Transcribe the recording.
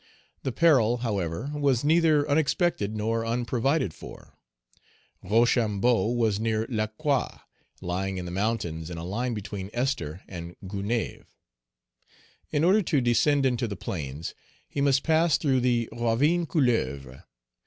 The peril, however, was neither unexpected nor unprovided for. Rochambeau was near Lacroix, lying in the mountains in a line between Esther and Gonaïves. In order to descend into the plains, he must pass through the ravine Couleuvre.